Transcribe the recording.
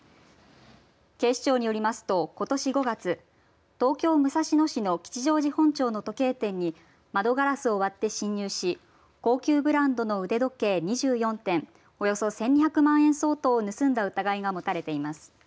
警視庁によりますとことし５月東京武蔵野市市の吉祥寺本町の時計店に窓ガラスを割って侵入し高級ブランドの腕時計２４点およそ１２００万円相当を盗んだ疑いが持たれています。